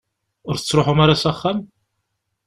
Ur tettruḥum ara s axxam?